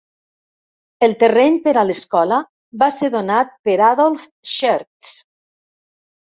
El terreny per a l'escola va ser donat per Adolph Schertz.